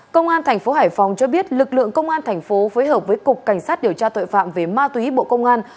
công an tp hải phòng cho biết lực lượng công an thành phố phối hợp với cục cảnh sát điều tra tội phạm về ma túy bộ công an